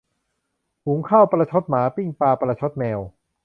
หุงข้าวประชดหมา ปิ้งปลาประชดแมว